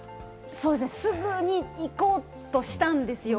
すぐに行こうとしたんですよ。